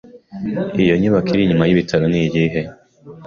Iyo nyubako iri inyuma yibitaro niyihe?